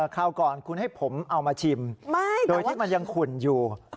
คราวก่อนคุณให้ผมเอามาชิมโดยที่มันยังขุ่นอยู่